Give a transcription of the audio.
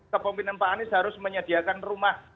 kepemimpinan pak anies harus menyediakan rumah